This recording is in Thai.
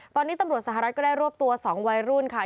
ตอนนี้ตำรวจสหรัฐก็ได้รวบตัว๒วัยรุ่นค่ะ